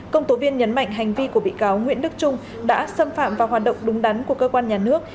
công tố viên nhấn mạnh hành vi của bị cáo nguyễn đức trung đã xâm phạm vào hoạt động đúng đắn của cơ quan nhà nước